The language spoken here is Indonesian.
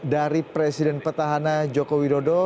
dari presiden petahana joko widodo